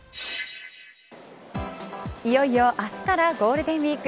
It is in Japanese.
いよいよ明日からゴールデンウイーク。